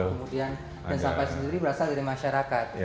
kemudian dan sampah sendiri berasal dari masyarakat